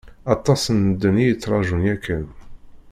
Aṭas n medden i yettrajun yakan.